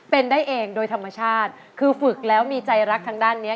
เป็นได้เองโดยธรรมชาติคือฝึกแล้วมีใจรักทางด้านเนี้ย